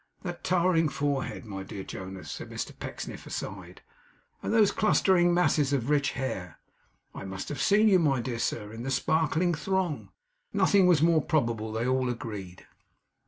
That towering forehead, my dear Jonas,' said Mr Pecksniff aside, 'and those clustering masses of rich hair I must have seen you, my dear sir, in the sparkling throng.' Nothing was more probable, they all agreed.